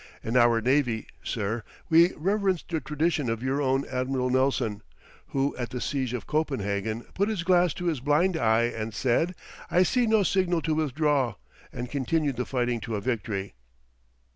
In our navy, sir, we reverence the tradition of your own Admiral Nelson, who at the siege of Copenhagen put his glass to his blind eye and said: "I see no signal to withdraw!" and continued the fighting to a victory.'